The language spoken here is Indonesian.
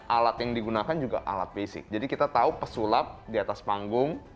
alat yang digunakan juga alat basic jadi kita tahu pesulap di atas panggung